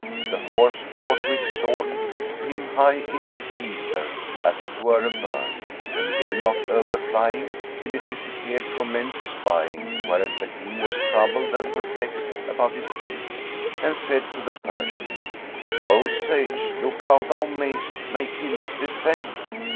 the horse forthwith soared with him high in ether, as it were a bird, and gave not overflying till it disappeared from men's espying, whereat the King was troubled and perplexed about his case and said to the Persian, "O sage, look how thou mayest make him descend."